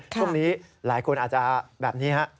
ช่วงนี้หลายคนอาจจะแบบนี้ฮะ